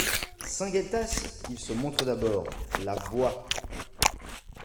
Saint-Gueltas ? Qu'il se montre d'abord ! LA VOIX.